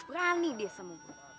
berani dia semua